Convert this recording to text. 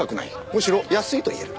むしろ安いと言える。